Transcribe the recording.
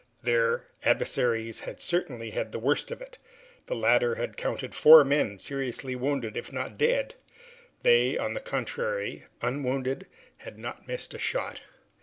Their adversaries had certainly had the worst of it. The latter already counted four men seriously wounded if not dead; they, on the contrary, unwounded, had not missed a shot.